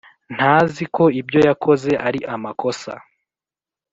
ntazi ko ibyo yakoze ari amakosa